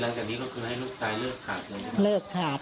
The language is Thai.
หลังจากนี้เค้าเคยให้ลูกตายเลิกขาด